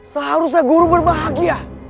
seharusnya guru berbahagia